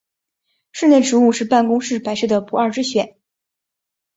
室内植物是办公室摆设的不二之选。